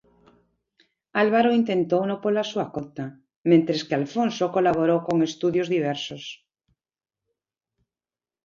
Álvaro intentouno pola súa conta, mentres que Alfonso colaborou con estudios diversos.